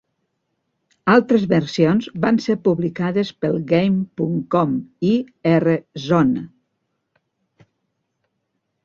Altres versions van ser publicades pel Game punt com i R-Zone.